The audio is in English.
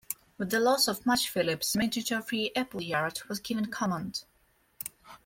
With the loss of March-Phillipps, Major Geoffrey Appleyard was given command.